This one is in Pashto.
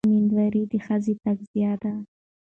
مېندواري د ښځې تقاضا ده.